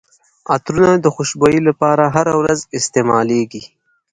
عطرونه د خوشبويي لپاره هره ورځ استعمالیږي.